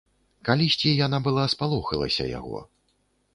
Калісьці яна была спалохалася яго.